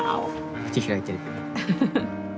口開いてるけど。